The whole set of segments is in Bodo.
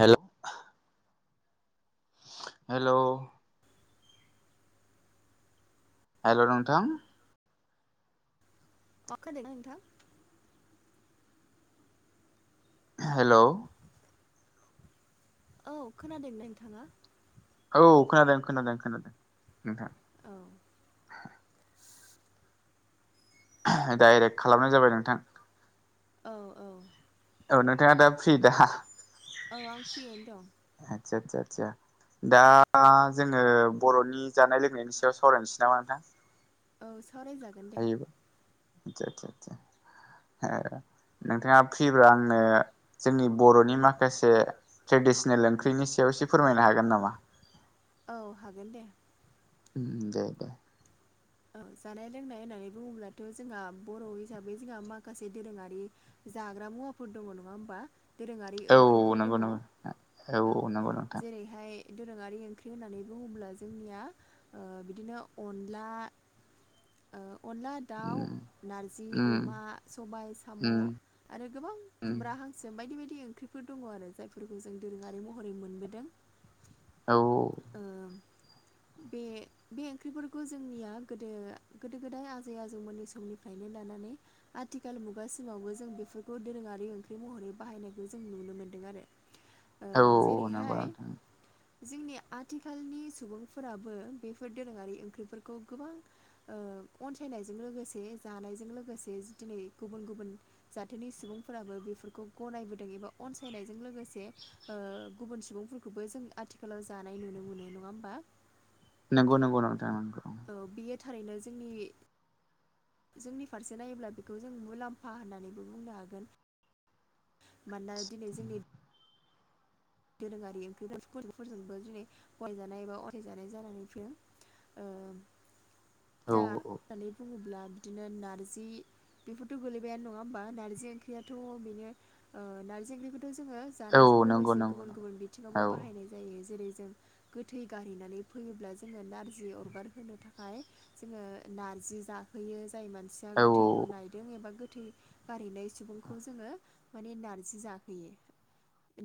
हेल' हेल' [inaudible] हेल' नोंथां [unintelligible] ना नोंथां? हेलौ औ खोनादोंना नोंथाङा? औ खोनादों खोनादों खोनादों नोंथां। औ डाइरेक्ट खालामनाय जाबाय नोंथां। औ औ औ नोंथाङा दा फ्रि दा? ओ आं फ्रियैनो दं। आतसा आतसा आतसा। दा जोङो बर'नि जानाय लोंनायनि सायाव सावरायनोसै नामा नोंथां? औ सावराय जा हायो बो आतसा आतसा आ नोंथाङा फ्रिब्ला आंनो जोंनि बर'नि माखासे ट्रेडिसनेल ओंख्रिनि सायाव एसे फोरमायनो हागोन नामा? औ हागोन दे। ओम ओम दे दे। औ जानाय लोंनाय होननानै बुङोब्लाथ' जोंहा बर' हिसाबै जोंहा माखासे दोरोङारि जाग्रा मुवाफोर दङ नङा होमबा? दोरोङारि औ ओंख्रिफोर नंगौ दङ नंगौ औ औ नंगौ नोंथां जेरै हाय दोरोङारि ओंख्रि होननानै बुङोब्ला जोंनिया ओ बिदिनो अनला ओ अनला दाउ, उम नारजि अमा, उम सबाय साम' आरो गोबां उम खुमब्रा हांसो बायदि बायदि ओंख्रिफोर दङ आरो जायफोरखौ जों दोरोङारि महरै मोनबोदों। [inaudible] औ ओ बे बे ओंख्रिफोरखौ जोंनिया गोदो गोदो गोदाय आजै आजौ मोननि समनिफ्रायनो लानानै आथिखाल मुगा समावबो जों बेफोरखौ दोरोङारि ओंख्रि महरै बाहायनायखौ जों नुनो मोन्दों आरो। [inaudible] ओ नंगौ जेरैहाय नोंथां जोंनि आथिखालनि सुबुंफोराबो बेफोर दोरोङारि ओंख्रिफोरखौ गोबां ओ अनसायनायजों लोगोसे जानायजों लोगोसे दिनै गुबुन गुबुन जाथोनि सुबुंफोराबो बेफोरखौ गनायबोदों एबा अनसायनायजों लोगो से ओ गुबुन सुबुंफोरखौबो जों आथिखालाव जानाय नुनो मोनो नङा होमबा? नंगौ नंगौ नोंथां नंगौ। औ बियो थारैनो जोंनि जोंनि फारसे नायोब्ला बेखौ जों मुलाम्फा होननानैबो बुंनो हागोन। मानोना दिनै जोंनि दोरोङारि ओंख्रि फोरजोंबो दिनै गनायजानाय एबा असायजानाय जानानै फैदों। औ ओ दा होननानै बुङोब्ला बिदिनो नारजि बेफोरथ' गोलैबायानो नङा होमबा नारजि ओंख्रियाथ' बेनो ओ नार्जि ओंख्रिखौथ' जोङो औ जानायजों नंगौ लोगोसे नंगौ गुबुन गुबुन बिथिङावबो औ बाहायनाय जायो जेरै जों गोथै गारहनानै फैयोब्ला जोङो नारजि अरगार होनो थाखाय जोङो नारजि जाहोयो जाय मानसिया औ गोथैखौ नाय एबा गोथै गारहैनाय सुबुंखौ जोङो माने नारजि जाहोयो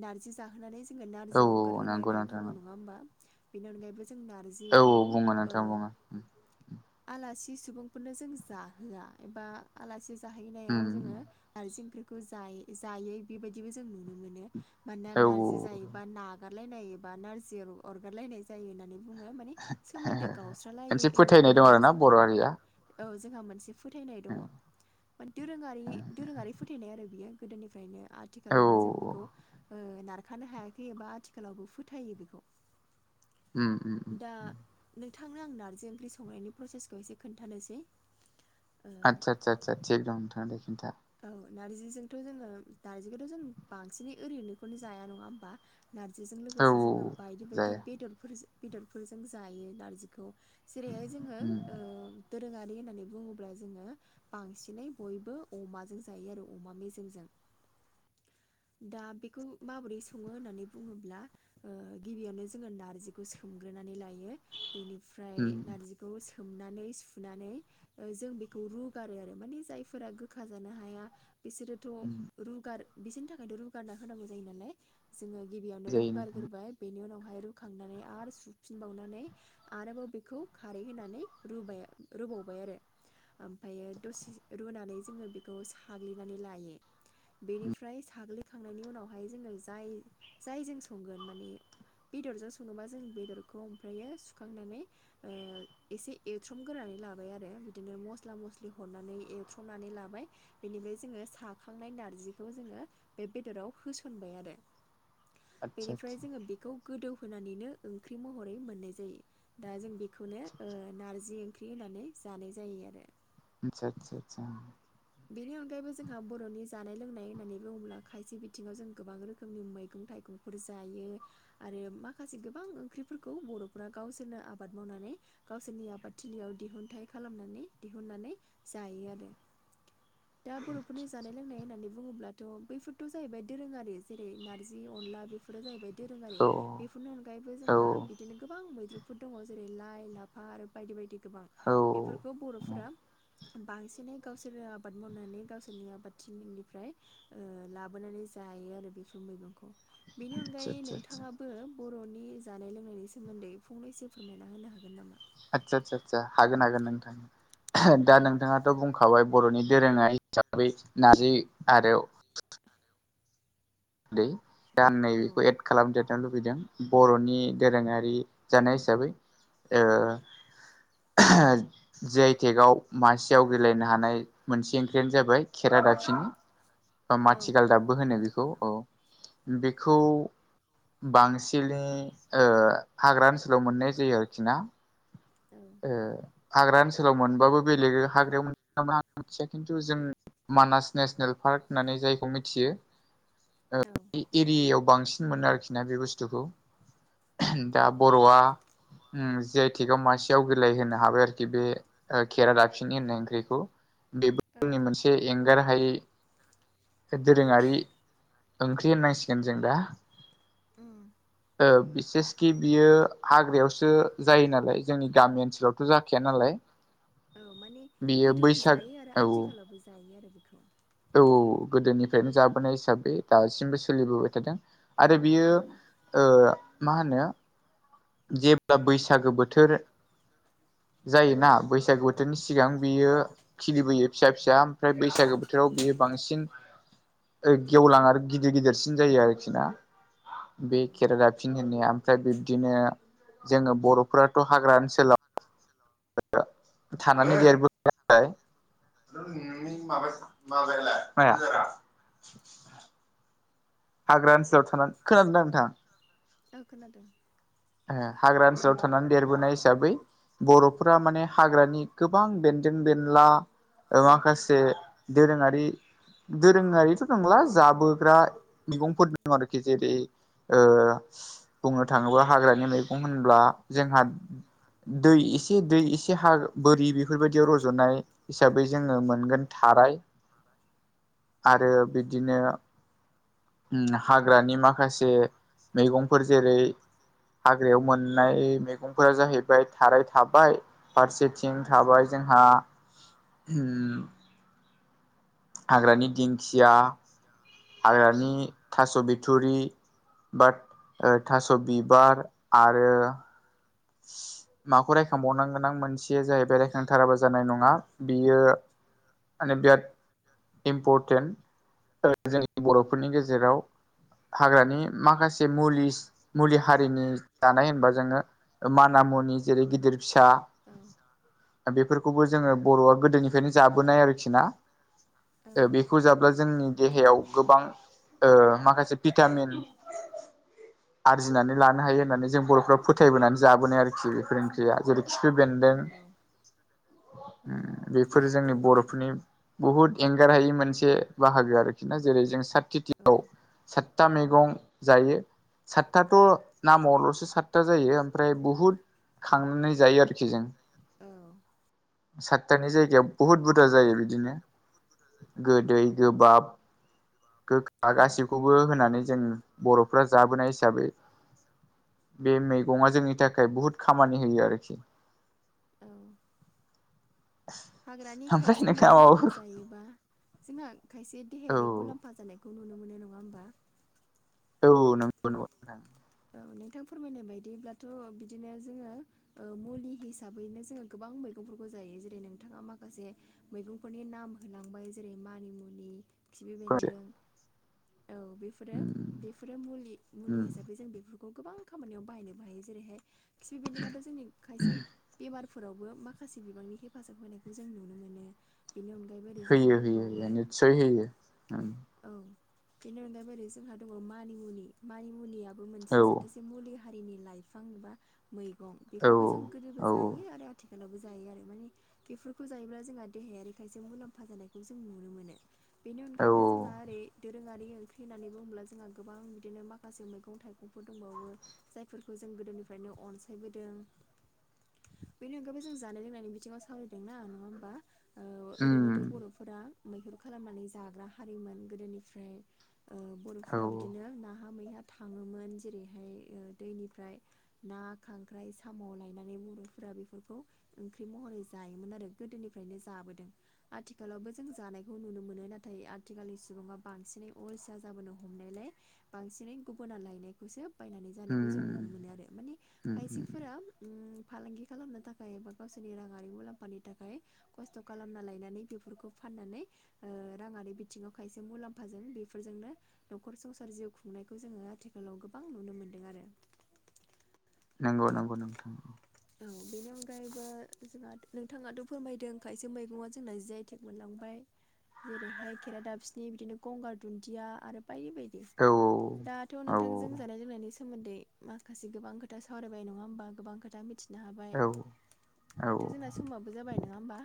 नार्जि जाहोनानै जोङो औ नार्जि अरगार होनोनाय नंगौ होननानै नोंथां बुङो औ नङा होमबा! बेनि अनगायैबो जों नारजि औ जिखौ बुङो ओ नोंथां बुङो आलासि सुबुंफोरनो जों जाहोआ एबा आलासि जाहैनायाव उम जोङो नारजि ओंख्रिखौ जायै जायै बेबायदिबो जों नुनो मोनो मानोना औ नार्जि जायो बा नागारलायनाय एबा नार्जि अरगारलायनाय जायो होननानै बुङो माने सोमोन्दो गावस्रालायो मोनसे एरै फोथायनाय दं होननानै आरोना जोंहा बर' हारिया औ जोंहा मोनसे फोथायनाय दङ। दोरोङारि दोरोङारि फोथायनाय आरो बियो गोदोनिफ्रायनो औ आथिखालावबो जों बेखौ ओ नारखानो हायाखै एबा आथिखालावबो फोथायो बेखौ उम उम दा नोंथांनो आं नार्जि ओंख्रि संनायनि प्रसेसखौ एसे खोन्थानोसै ओ आदसा सा सा थिख दं नोंथाङा खिथा औ नार्जिजोंथ' जोङो नार्जिखौथ' जों बांसिनै ओरैनोखौनो जाया नङा होमबा नार्जिजों औ लोगोसे औ जोङो बायदि बायदि जाया बेदरफोर बेदरफोरजों जायो नार्जिखौ जेरैहाय जोङो उम ओ दोरोङारि होननानै बुङोब्ला जोङो बांसिनै बयबो अमाजों जायो आरो अमा मेजेमजों दा बेखौ माबोरै सङो होननानै बुङोब्ला ओ गिबियावनो जोङो नार्जिखौ सोमग्रोनानै लायो बेनिफ्राय उम नार्जि खौ सोमनानै सुनानै ओ जों बेखौ रुगारो आरो माने जायफोरा गो खाजानो हाया बिसोरोथ' उम रुगार बिसोरनि थाखायथ' रुगारना होनांगौ जायो नालाय जोङो गिबियावनो रु जायो नोंथां गारग्रोबाय बेनि उनावहाय रुखांनानै आरो सुफिनबावनानै आरोबाव बेखौ खारै होनानै रुबाय रुबावबाय आरो आमफ्रायो दसे रुनानै जोङो बेखौ साग्लिनानै लायो बेनिफ्राय साग्लिखांनायनि उनावहाय जोङो जाय जाय जों संगोन माने बेदरजों सङोबा जों बेदरखौ ओमफ्रायो सुखांनानै ओ एसे एरथ्रमगोरानै लाबाय आरो बिदिनो मस्ला मस्लि हरनानै एरथ्रम नानै लाबाय बेनिफ्राय जोङो साखांनाय नारजिखौ जोङो बे बेदराव होसनबाय आरो आदसा आदसा बेनिफ्राय जोङो बेखौ गोदौ होनोनानैनो ओंख्रि महरै मोननाय जायो दा जों बे खौनो ओ नारजि ओंख्रि होनानै जानाय जायो आरो आतसा-सा-सा बेनि अनगायैबो जोंहा बर'नि जानाय लोंनाय होननानै बुङोब्ला खायसे बिथिङाव जों गोबां रोखोमनि मैगं थाइगं फोर जायो आरो माखासे गोबां ओंख्रिफोरखौ बर'फोरा गावसोरनो आबाद मावनानै गावसोरनि आबादथिलियाव दिहुनथाइ खालामनानै दिहुननानै जायो आरो। दा बर'फोरनि जानाय लोंनाय होननानै बुं ङोब्लाथ' बैफोरथ' जाहैबाय दोरोङारि जेरै नार्जि अनला बेफोरो जाहैबाय दोरोङारि औ बेफोरनि अनगायैबो औ जोंहा बिदिनो गोबां मैद्रुफोर दङ जेरै- लाइ लाफा आरो बायदि बायदि गोबां बेफोरखौ बर'फोरा बांसिनै गावसोरो आबाद मावनानै गावसोरनि आबादथिनिफ्राय ओ लाबोनानै जायो आरो बेफोर मैगंखौ बेनि आदसा अनगायै आदसा आदसा नोंथाङा बो बर'नि जानाय लोंनायनि सोमोन्दै फंनैसो फोरमायना होनो हागोन नामा? आदसा सा सा हागोन हागोन नोंथां [unintelligible] दा औ नोंथाङाथ' बुं खाबाय बर'नि दोरोङा हिसाबै नर्जि आरो [inaudible] दैे दा नै औ बेखौ एड खालामदेर दा लुबैदों बर'नि दोरोङारि जानाय हिसाबै ओ [unintelligible] जिआइटेकआव मासि आवग्रिलायनो हानाय मोनसे ओंख्रियानो जाबाय खेरादाफिनि। [unintelligible] औ माथिगालदाबबो होनो बेखौ औ बेखौ बांसिलै ओ हाग्रा ओनसोलाव मोननाय जायो आरोखि ना औ ओ हाग्रा ओनसोलाव मोनबाबो बेलेग हाग्रायाव मोन [unintelligible] खिन्थु जों मानास नेसनेल पार्क होननानै जायखौ मिथियो। औ बे एरियायाव बांसिन मोनो आरोखि ना बे बुस्थुखौ औ दा बर'आ उ जिआइटेकआव मासि [unintelligible] आवग्रिलायहोनो हाबाय आरोखि बे ओ खेरादाफिननि होननाय ओंख्रिखौ बेबो जोंनि मोनसे से एंगारहायि [unintelligible] दोरोङारि ओंख्रि होननांसिगोन जों दा उम ओ बिसेसखि बियो हाग्रायावस सो जायो नालाय जोंनि गामि ओनसोलावथ' जाखाया नालाय औ माने बियो गोदोबो बैसाग जायो आरो औ आथिखालावबो जायो आरो बेखौ। औ औ गोदोनिफ्रायनो जाबोनाय हिसाबै दासिमबो सोलिबोबाय थादों। आरो बियो औ ओ मा होनो जेब्ला बैसागो बोथोर जायोना बैसागु बोथोरनि सिगां बियो खिलिबोयो फिसा फिसा ओमफ्राय बैसागो बोथोराव बियो बांसिन गेवलां आरो गिदिर गिदिरसिन जायो आरोखि ना। औ बे केरादाफिनि होननाया ओमफ्राय बिबदिनो जोङो बर'फ्राथ' हाग्रा ओनस हाग्रा ओनसोलाव थानानै देरबो [unintelligible] औ [unintelligible] माया हाग्रा ओनसोलाव थानान खोनादोंदा नोंथां? औ खोनादों। ओ हाग्रा ओनसोलाव थानानै देरबोनाय हिसाबै बर'फोरा माने हाग्रानि गोबां बेन्दों बेनला [unintelligible] माखासे दोरोङारि दोरोङारि [unintelligible] बांला जाबोग्रा मैगंफोर दं आरोखि जेरै ओ बुंनो थाङोब्ला हाग्रानि मैगं होनब्ला जोंहा दै एसे दै एसे हा बोरि बेफोरबायदियाव रज'नाय। हिसाबै जोङो मोनगोन थाराय आरो बिदिनो उ हाग्रानि माखासे मैगंफोर जेरै हाग्रायाव मोन्नाय मैगंफोरा जाहैबाय थाराय थाबाय औ फारसेथिं थाबाय जोंहा सम हाग्रानि दिंखिया [unintelligible] खिया हाग्रानि थास' बिथुरि बाद ओ थास' बिबार आरो माखौ रायखांबावनांगोन आं मोनसे बियो जाहैबाय रायखांथाराबो जानाय नङा बियो माने बिराद इम्परटेन्ट [unintelligible] जोंनि बर'फोरनि गेजेराव हाग्रानि माखासे मुलिस मुलि हारिनि जानाय होनबा जोङो ओ माना मुनि जेरै गिदिर फिसा बेफोरखौबो जोङो बर'आ गोदोनि दोनि जाबोनाय आरोखि ना ओ बेखौ जाब्ला जोंनि देहायाव गोबां ओ माखासे पिटामिन आरजिनानै लानो हायो होननानै जों बर' [unintelligible] फोथायबोनानै जाबोनाय आरोखि बेफोर ओंख्रिया जेरै खिफि बेन्दों औ बेफोर जोंनि बर'फोरनि बुहुत एंगार हायि मोनसे से बाहागो आरोखि ना जेरै जों साथ खिथियाव सातता मेगं जायो सातताथ' नामावल'सो सातता जायो प्राय बहुत खांनानै जायो आरोखि जों। औ साततानि जायगायाव बुहुद बुरजा जायो बिदिनो गोदै गोबाब गोखा औ गासिखौबो होनानै जों बर'फ्रा जाबोनाय हिसाबै बे मैगंआ थाखाय बुहुत खामानि होयो आरोखि। औ हाग्रानि ओमफ्राय खायसे नोंथाङा मैगंफोरखौ माबाफोर जायोबा जोंहा खायसे औ देहायारि मुलाम्फा जानायखौ खौ नुनो मोनो नङा होमबा? औ नंगौ नोंथां औ नोंथां फोरमायनाय बायदिब्लाथ' बिदिनो जोङो ओ मुलि हिसाबैनो जोङो गोबां मैगंफोरखौ जायो जेरै नोंथाङा माखासे मैगंफोरनि नाम होलांबाय जेरै मानिमुनि खिबि उम होयो बेन्दों औ बेफोरो बेफोरो मुलि मुलि हिसाबै जों बेफोरखौ‌ गोबां खामानियाव‌ बाहायनोबो हायो जेरैहाय खिफि बेन्दोंआथ' खायसे बेमार फोरावबो माखासे बिबांनि हेफाजाब होनायखौ जों नुनो मोनो। बेनि अनगायैबो ओरै जोंहा होयो दंबावो होयो निस्सय होयो औ बेनि अनगायैबो ओरै जोंहा दङ मानिमुनि मानिमुनियाबो औ मोनसे जाथोसे मुलि हारिनि लाइफां एबा मैगं औ बेखौबो जों गोदोबो औ जायो आरो आथि खालावबो जायो आरो माने बेफोरखौ जायोब्ला जोंहा देहायारि खायसे मुलाम्फा जानायखौ जों नुनो मोनो। बेनि औ अनगायैबो जोंहा ओरै दोरोङारि ओंख्रि होननानै बुङोब्ला जोंहा गोबां बिदिनो माखासे मैगं गं थाइगंफोर दंबावो जायफोरखौ जों गोदोनिफ्रायनो अनसायबोदों। बेनि अनगायैबो जों जानाय लोंनायनि बिथिङाव सावरायदों ना नङा होमबा? ओ ओरैनोथ' उम बर'फोरा मैहुर खालामनानै जाग्रा हारिमोन गोदोनिफ्राय। ओ औ बर'फोरा बिदिनो नाहा मैहा थाङोमोन जेरैहाय ओ दैनिफ्राय ना खांख्राइ साम' लायनानै बर'फोरा बेफोरखौ ओंख्रि महरै जायोमोन आरो गोदोनिफ्रायनो जाबोदों। आथिखालावबो जों जानायखौ नुनो मोनो नाथाय आथिखालनि सुबुंआ बांसिनै अलसिया जाबोनो हमनायलाय बांसिनै गुबुना लायनायखौसो बायनानै जानायखौ जों नुनो उम मोनो आरो माने उम खायसेफोरा ओम फालांगि खालामनो थाखाय एबा गावसोरनि राङारि मुलाम्फानि थाखाय खस्त' कालामना लायनानै बेफोरखौ फाननानै ओ राङारि बिथिङाव खायसे मुलाम्फाजों बेफोरजोंनो न'खर संसार जिउ खुंनाय खौ जोङो आथिखालाव गोबां नुनो मोन्दों आरो। नंगौ नंगौ नोंथां। औ बेनि अनगायैबो जोंहा नोंथाङाथ' फोरमायदों खायसे मैगंआ जोंना जि आइ टेग मोनलांबाय जेरैहाय खेरादाफिनि बिदिनो गंगार दुन्दिया आरो बायदि बायदि औ दाथ' औ नोंथांजों जानाय लोंनायनि सो सोमोन्दै माखासे गोबां खोथा सावरायबाय नङा होमबा गोबां खोथा मिथि नो हाबाय औ औ दाथ' जोंना समाबो जाबाय नङा होमबा?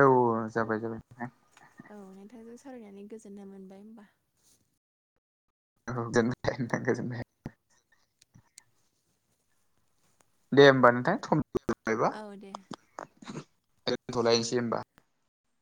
औ ओ जाबाय जाबाय नोंथां। औ नोंथांजों सावरायनानै गोजोननाय मोनबाय होमबा। औ गोजोननाय थाबाय नोंथां गोजोननाय दे होमबा नोंथां औ दे [unintelligible] दोनथ'लायनोसै हमबा।